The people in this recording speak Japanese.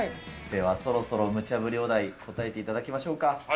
ではそろそろムチャブリお題、応えていただきましょうか。